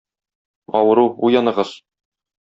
Авыру, уяныгыз!